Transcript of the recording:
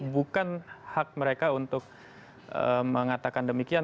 bukan hak mereka untuk mengatakan demikian